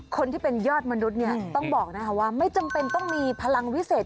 คนที่เป็นยอดมนุษย์เนี่ยต้องบอกว่าไม่จำเป็นต้องมีพลังวิเศษ